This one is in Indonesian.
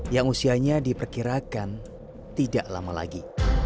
yang usianya diperkirakan tidak lama lagi